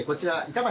板橋